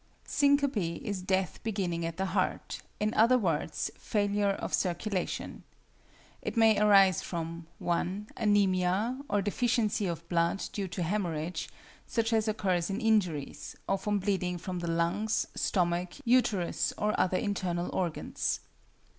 =Syncope= is death beginning at the heart in other words, failure of circulation. It may arise from (1) Anæmia, or deficiency of blood due to hæmorrhage, such as occurs in injuries, or from bleeding from the lungs, stomach, uterus, or other internal organs.